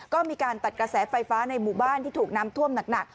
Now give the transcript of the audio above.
ก็มีการตัดกระแสไฟฟ้าในหมู่บ้านที่ถูกน้ำท่วมหนัก